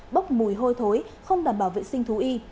bốc mùi hôi thối không đảm bảo vệ sinh thú y